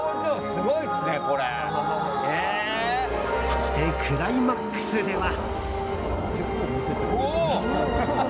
そして、クライマックスでは。